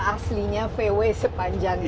aslinya vw sepanjang ini